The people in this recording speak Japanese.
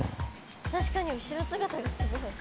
確かに後ろ姿がすごい。